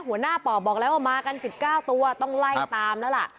หัวหน้าปอบบอกแล้วว่ามากัน๑๙ตัวต้องไล่ตามแล้วล่ะ